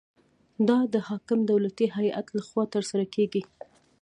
دا د حاکم دولتي هیئت لخوا ترسره کیږي.